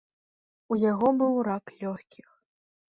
У яго быў рак лёгкіх.